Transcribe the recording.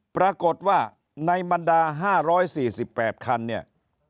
ปรากฏว่าในบรรดา๕๔๘คันเนี่ย